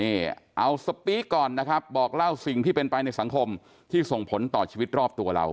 นี่เอาสปีกก่อนนะครับบอกเล่าสิ่งที่เป็นไปในสังคมที่ส่งผลต่อชีวิตรอบตัวเรา